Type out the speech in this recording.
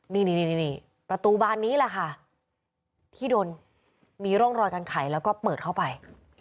นี่ประตูบานนี้แหละค่ะที่โดนมีร่องรอยการไขแล้วก็เปิดเข้าไป